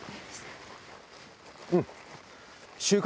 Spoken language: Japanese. うん。